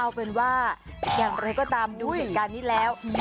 เอาเป็นว่าอย่างไรก็ตามดูเหตุการณ์นี้แล้ว